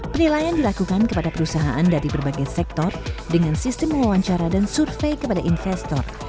penilaian dilakukan kepada perusahaan dari berbagai sektor dengan sistem wawancara dan survei kepada investor